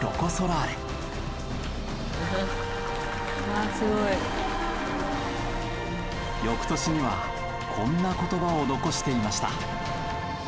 「わあすごい」翌年にはこんな言葉を残していました。